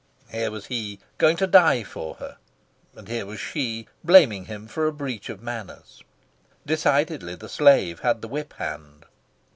Here was he, going to die for her; and here was she, blaming him for a breach of manners. Decidedly, the slave had the whip hand.